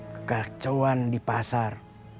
kekacauan di pasar